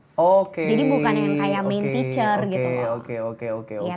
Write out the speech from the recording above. jadi bukan yang kayak main teacher gitu loh